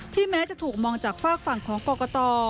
แม้จะถูกมองจากฝากฝั่งของกรกต